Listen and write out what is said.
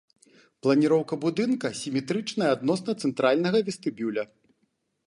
Планіроўка будынка сіметрычная адносна цэнтральнага вестыбюля.